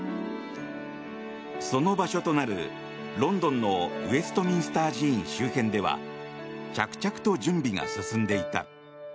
その場所となるロンドンのウェストミンスター寺院周辺では着々と準備が進んでいた。